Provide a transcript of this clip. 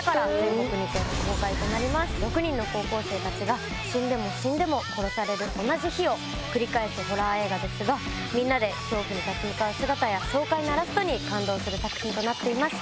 ６人の高校生たちが死んでも死んでも殺される同じ日を繰り返すホラー映画ですがみんなで恐怖に立ち向かう姿や爽快なラストに感動する作品となっています